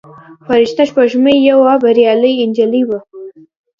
فرشته سپوږمۍ یوه بریالۍ نجلۍ ده.